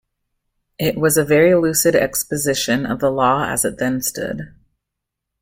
It was a very lucid exposition of the law as it then stood.